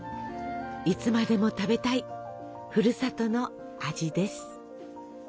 いつまでも食べたいふるさとの味です。